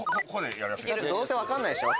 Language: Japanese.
どうせ分かんないでしょ。